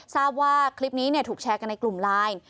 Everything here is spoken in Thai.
ทราบว่าคลิปนี้ถูกแชร์กันในกลุ่มไลน์